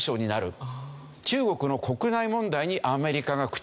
中国の国内問題にアメリカが口を出す。